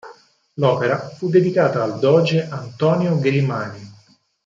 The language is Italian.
L'opera fu dedicata al doge Antonio Grimani.